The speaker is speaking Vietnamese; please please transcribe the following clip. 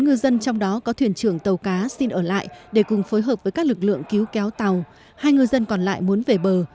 ngư dân trong đó có thuyền trưởng tàu cá xin ở lại để cùng phối hợp với các lực lượng cứu kéo tàu hai ngư dân còn lại muốn về bờ